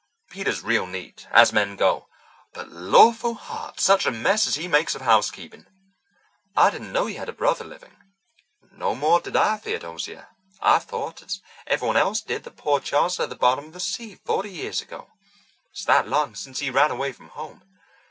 Peter's real neat, as men go, but, lawful heart, such a mess as he makes of housekeeping! I didn't know you had a brother living." "No more did I, Theodosia. I thought, as everyone else did, that poor Charles was at the bottom of the sea forty years ago. It's that long since he ran away from home.